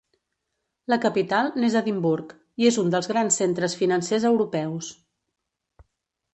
La capital n'és Edimburg, i és un dels grans centres financers europeus.